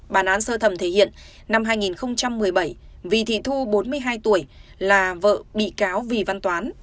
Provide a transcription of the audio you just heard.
bản án sơ thẩm thể hiện năm hai nghìn một mươi bảy vì thị thu bốn mươi hai tuổi là vợ bị cáo vì văn toán